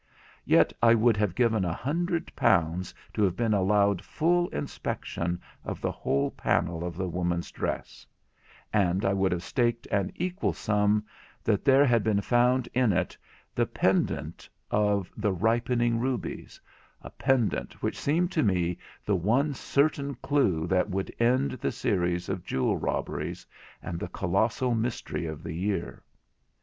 Yet I would have given a hundred pounds to have been allowed full inspection of the whole panel of the woman's dress—and I would have staked an equal sum that there had been found in it the pendant of the ripening rubies; a pendant which seemed to me the one certain clue that would end the series of jewel robberies, and the colossal mystery of the year.